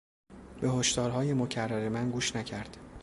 به هشدارهای مکرر من گوش نکرد.